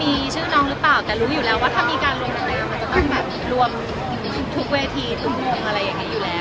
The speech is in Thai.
มันจะต้องแบบรวมทุกเวทีทุกโมงอะไรอย่างนี้อยู่แล้ว